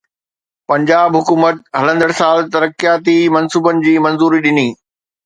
پنجاب حڪومت هلندڙ سال ترقياتي منصوبن جي منظوري ڏني